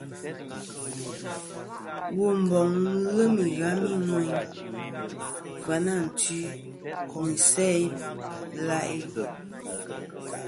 Womboŋ lem ighami ŋweyn Fyanantwi, nɨ Isæ-ila'i.